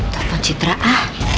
terpon citra ah